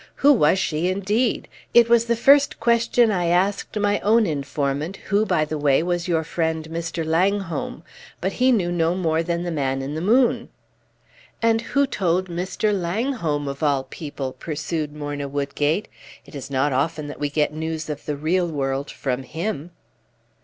Who was she, indeed! It was the first question I asked my own informant, who, by the way, was your friend, Mr. Langholm; but he knew no more than the man in the moon." "And who told Mr. Langholm, of all people?" pursued Morna Woodgate. "It is not often that we get news of the real world from him!"